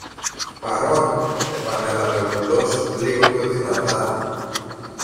Παρών! επανέλαβε ο κουλός λίγο πιο δυνατά